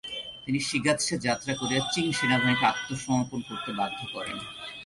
তিনি শিগাৎসে যাত্রা করে চিং সেনাবাহিনীকে আত্মসমর্পণ করতে বাধ্য করেন।